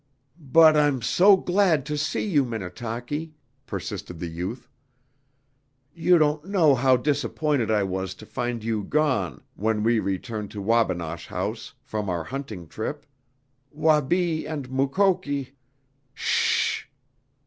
"But I'm so glad to see you, Minnetaki," persisted the youth. "You don't know how disappointed I was to find you gone when we returned to Wabinosh House from our hunting trip. Wabi and Mukoki " "Sh h h h!"